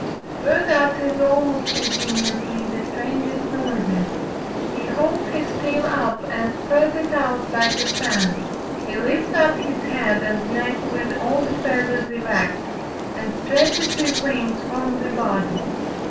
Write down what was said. The bird utters almost continuously the strangest noises: "he holds his tail up and spreads it out like a fan, he lifts up his head and neck with all the feathers erect, and stretches his wings from the body.